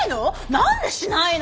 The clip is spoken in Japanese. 何でしないの？